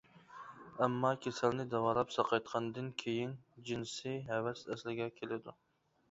ئەمما، كېسەلنى داۋالاپ ساقايتقاندىن كېيىن، جىنسىي ھەۋەس ئەسلىگە كېلىدۇ.